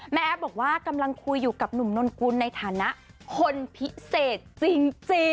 แอฟบอกว่ากำลังคุยอยู่กับหนุ่มนนกุลในฐานะคนพิเศษจริง